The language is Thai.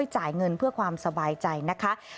จ่ายเงิน